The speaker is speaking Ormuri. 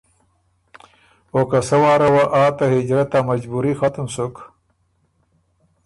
او که سۀ واره وه آ ته هجرت ا مجبُوري ختم سُک